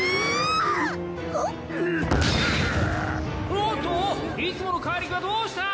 おっといつもの怪力はどうした？